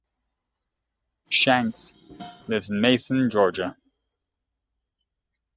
Shanks lives in Macon, Georgia.